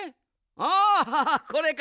ああこれか。